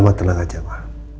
mama tenang aja ma